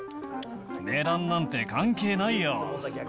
値段なんて関係ないよ。